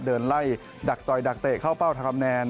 เดินไล่ดักต่อยดักเตะเข้าเป้าทำคะแนน